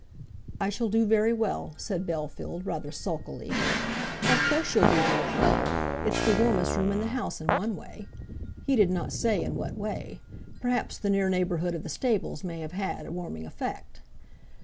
"I shall do very well," said Bellfield rather sulkily. "Of course you'll do very well. It's the warmest room in the house in one way." He did not say in what way. Perhaps the near neighbourhood of the stables may have had a warming effect.